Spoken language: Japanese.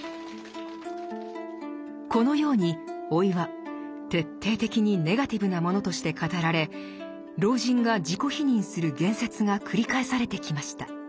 このように老いは徹底的にネガティブなものとして語られ老人が自己否認する言説が繰り返されてきました。